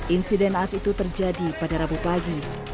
insiden as itu terjadi pada rabu pagi